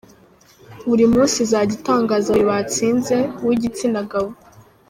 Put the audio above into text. Buri munsi izajya itangaza babiri batsinze, uw’igitsina gabo